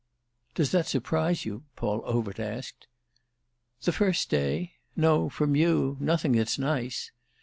"Does that surprise you?" Paul Overt asked. "The first day? No, from you—nothing that's nice."